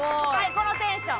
このテンション。